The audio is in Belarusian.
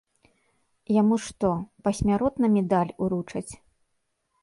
Яму што, пасмяротна медаль уручаць?